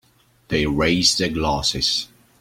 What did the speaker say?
They raise their glasses.